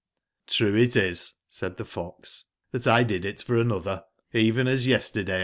"j^''Crue it is," said the fox, ''that 1 did it for another; even as yesterday!